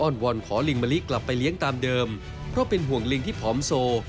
วอนขอลิงมะลิกลับไปเลี้ยงตามเดิมเพราะเป็นห่วงลิงที่ผอมโซ